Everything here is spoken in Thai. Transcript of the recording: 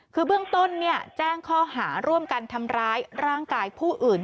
คือเบื้องต้นแจ้งข้อหาร่วมกันทำร้ายร่างกายผู้อื่น